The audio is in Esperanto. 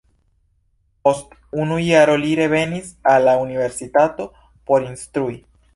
Post unu jaro li revenis al la universitato por instrui.